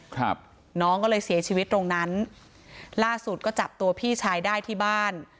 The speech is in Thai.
ครับน้องก็เลยเสียชีวิตตรงนั้นล่าสุดก็จับตัวพี่ชายได้ที่บ้าน